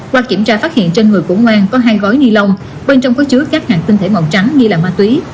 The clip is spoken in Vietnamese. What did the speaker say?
qua kiểm tra phát hiện trên người của ngoan có hai gói ni lông bên trong có chứa các hạt tinh thể màu trắng nghi là ma túy